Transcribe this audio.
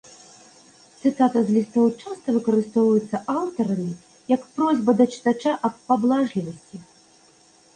Цытата з лістоў часта выкарыстоўваецца аўтарамі як просьба да чытача аб паблажлівасці.